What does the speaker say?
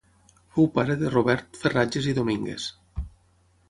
Fou pare de Robert Ferratges i Domínguez.